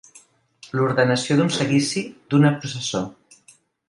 L'ordenació d'un seguici, d'una processó.